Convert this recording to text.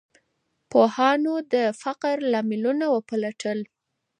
پوهانو د فقر لاملونه وپلټل.